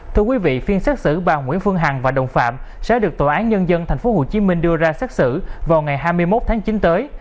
thưa quý vị phiên xác xử bà nguyễn phương hằng và đồng phạm sẽ được tòa án nhân dân tp hcm đưa ra xác xử vào ngày hai mươi một tháng chín tới